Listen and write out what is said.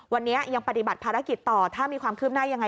วันนี้ยังปฏิบัติภารกิจต่อถ้ามีความคืบหน้ายังไง